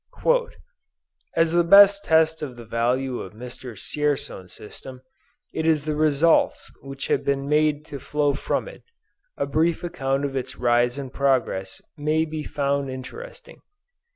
"As the best test of the value of Mr. Dzierzon's system, is the results which have been made to flow from it, a brief account of its rise and progress maybe found interesting.